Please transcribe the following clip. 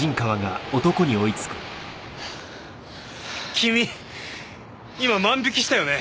君今万引きしたよね。